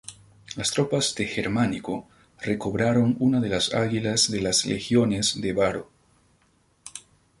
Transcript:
Las tropas de Germánico recobraron una de las águilas de las legiones de Varo.